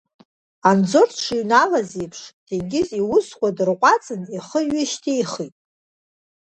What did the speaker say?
Анзор дшыҩналаз еиԥш, Ҭенгиз иусқәа дырҟәаҵын ихы ҩышьҭихит.